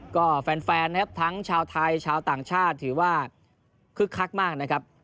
ก็แฟนนะครับทั้งชาวไทยชาวต่างชาติถือว่าคึกคักมากนะครับ